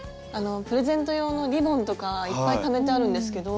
プレゼント用のリボンとかいっぱいためてあるんですけど。